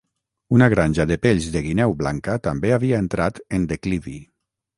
Una granja de pells de guineu blanca també havia entrat en declivi.